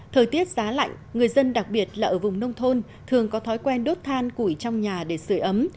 thời tiết giá lạnh người dân đặc biệt là ở vùng nông thôn thường có thói quen đốt than củi trong nhà để sửa ấm